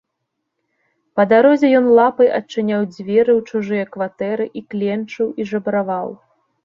Па дарозе ён лапай адчыняў дзверы ў чужыя кватэры і кленчыў і жабраваў.